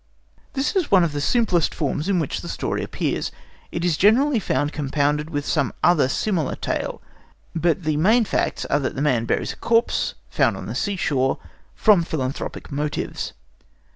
This is one of the simplest forms in which the story appears. It is generally found compounded with some other similar tale; but the main facts are that a man buries a corpse found on the sea shore from philanthropic motives.